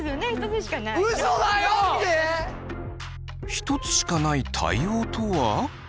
一つしかない対応とは？